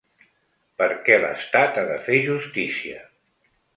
Perquè l’estat ha de fer justícia.